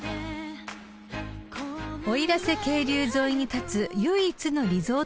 ［奥入瀬渓流沿いに建つ唯一のリゾートホテル］